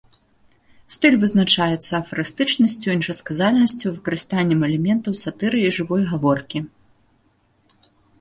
Стыль вызначаецца афарыстычнасцю, іншасказальнасцю, выкарыстаннем элементаў сатыры і жывой гаворкі.